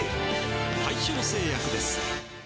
大正製薬です。